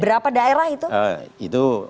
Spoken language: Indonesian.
berapa daerah itu itu